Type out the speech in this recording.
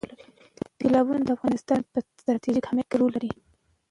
تالابونه د افغانستان په ستراتیژیک اهمیت کې رول لري.